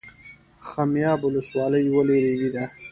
خمیاب ولسوالۍ ولې ریګي ده؟